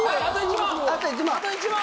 あと１問！